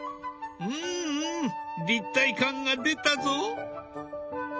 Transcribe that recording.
うんうん立体感が出たぞ。